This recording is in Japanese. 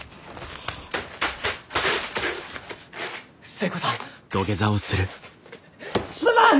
寿恵子さんすまん！